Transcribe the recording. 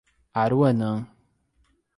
Aruanã